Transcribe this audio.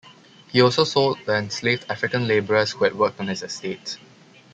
He also sold the enslaved African laborers who had worked on his estate.